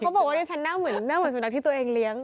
มีคนบอกว่าฉันน่าเหมือนสุนัขที่ตัวเองเลี้ยง